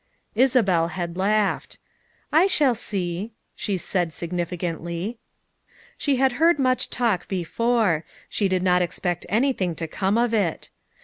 Isabel had laughed. "I shall see," she said significantly. She had heard much such talk before; she did not expect anything to come of it.